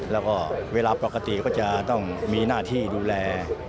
และเวลากรกติจะต้องมีหน้าธิดูแล